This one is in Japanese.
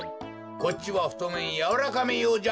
こっちはふとめんやわらかめようじゃ！